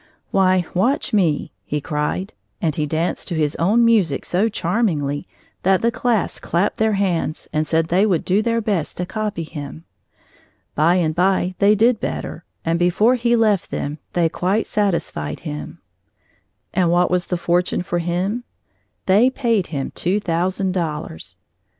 "Why, watch me," he cried, and he danced to his own music so charmingly that the class clapped their hands and said they would do their best to copy him. By and by they did better, and before he left them, they quite satisfied him. And what was fortunate for him, they had paid him two thousand dollars.